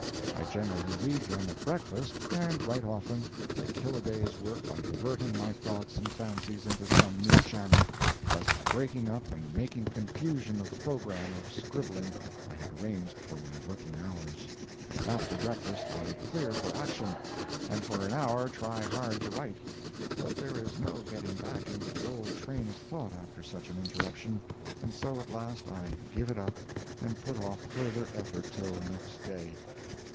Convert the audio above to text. I generally read them at breakfast, and right often they kill a day's work by diverting my thoughts and fancies into some new channel, thus breaking up and making confusion of the programme of scribbling I had arranged for my working hours. After breakfast I clear for action, and for an hour try hard to write; but there is no getting back into the old train of thought after such an interruption, and so at last I give it up and put off further effort till next day.